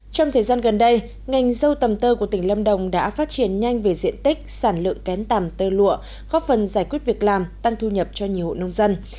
trong thời gian gần đây ngành dâu tầm tơ của tỉnh lâm đồng đã phát triển nhanh về diện tích sản lượng kén tầm tơ lụa góp phần giải quyết việc làm tăng thu nhập cho nhiều hộ nông dân